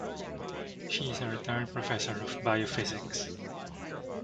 She is a retired professor of biophysics.